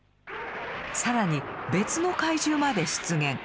更に別の怪獣まで出現。